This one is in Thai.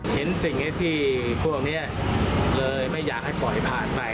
เห็นสิ่งที่พวกเหล่านี้เลยไม่อยากให้ปล่อยผ่านไป